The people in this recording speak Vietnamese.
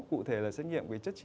cụ thể là xét nghiệm chất chí